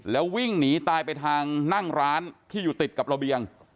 แล้ววิ่งหนีตายไปทางนั่งร้านที่อยู่ติดกับระเบียง